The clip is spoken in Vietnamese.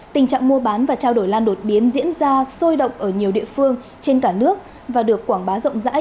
tình trạng mua bán và trao đổi lan đột biến diễn ra sôi động ở nhiều địa phương trên cả nước và được quảng bá rộng rãi